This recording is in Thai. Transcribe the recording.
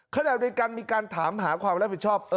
ขณะเดียวกันมีการถามหาความรับผิดชอบ